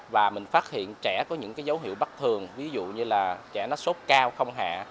và mình phát hiện trẻ có những cái dấu hiệu bất thường ví dụ như là trẻ nó sốt cao không hạ